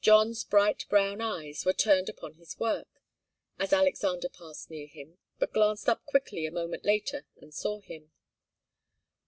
John's bright brown eyes were turned upon his work, as Alexander passed near him, but glanced up quickly a moment later and saw him.